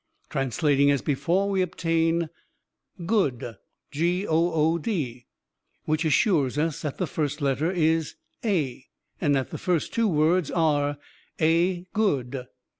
"Translating as before, we obtain .good, which assures us that the first letter is A, and that the first two words are 'A good.'